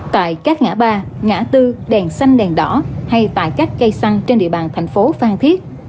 tại các ngã ba ngã tư đèn xanh đèn đỏ hay tại các cây xăng trên địa bàn thành phố phan thiết